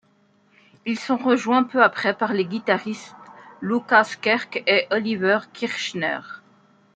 Ils sont rejoints peu après par les guitaristes Lukas Kerk et Oliver Kirchner.